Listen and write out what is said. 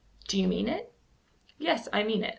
"Do you mean it?" "Yes, I mean it.